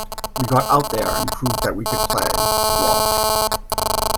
"We got out there and proved that we could play," said Walsh.